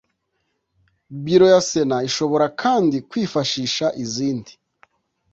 Biro ya Sena ishobora kandi kwifashisha izindi